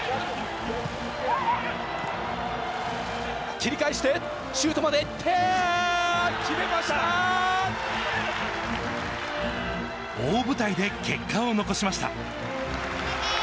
切り返して、シュートまでい大舞台で結果を残しました。